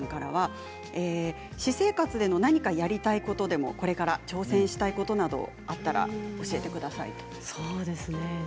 私生活での何かやりたいことでもこれから挑戦したいことなどあったら教えてくださいということです。